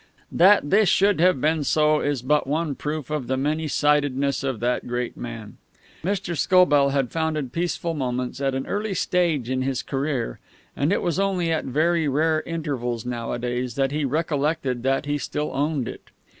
That this should have been so is but one proof of the many sidedness of that great man. Mr. Scobell had founded Peaceful Moments at an early stage in his career, and it was only at very rare intervals nowadays that he recollected that he still owned it.